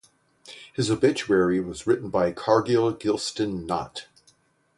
His obituary was written by Cargill Gilston Knott.